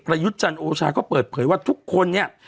ยุทธ์จันทร์โอชาก็เปิดเผยว่าทุกคนเนี่ย